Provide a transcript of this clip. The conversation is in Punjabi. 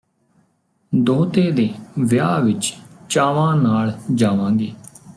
ਦੋਹਤੇ ਦੇ ਵਿਆਹ ਵਿਚ ਚਾਵਾਂ ਨਾਲ ਜਾਵਾਂਗੇ